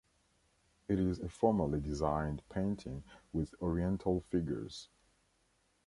It is a formally designed painting with Oriental figures.